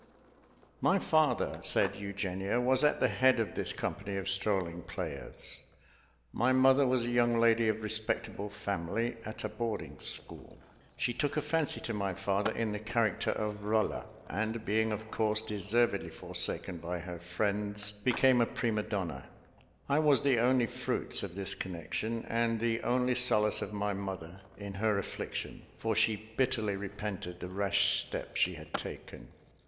"My father," said Eugenia, "was at the head of this company of strolling players; my mother was a young lady of respectable family, at a boarding school. She took a fancy to my father in the character of 'Rolla'; and, being of course deservedly forsaken by her friends, became a prima donna. I was the only fruits of this connection, and the only solace of my mother in her affliction; for she bitterly repented the rash step she had taken.